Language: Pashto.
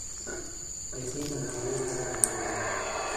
پیسې مې له کالیو سره ګنډلې وې.